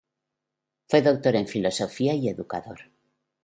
Fue Doctor en filosofía y educador.